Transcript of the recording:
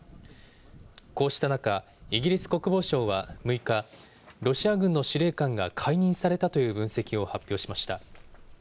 こうした中、イギリス国防省は６日、ロシア軍の司令官が解任されたという分析を発表しました。